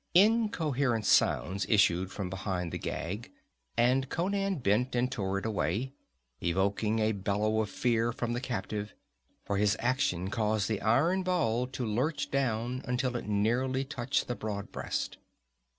Incoherent sounds issued from behind the gag and Conan bent and tore it away, evoking a bellow of fear from the captive; for his action caused the iron ball to lurch down until it nearly touched the broad breast.